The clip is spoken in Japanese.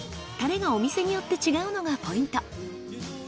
タレがお店によって違うのがポイント。